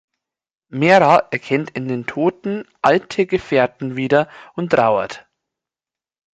Mera erkennt in den Toten alte Gefährten wieder und trauert.